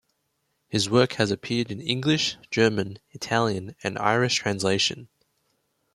His work has appeared in English, German, Italian and Irish translation.